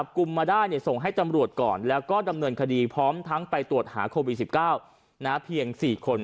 พร้อมทั้งไปตรวจหาโควิด๑๙เพียง๔คน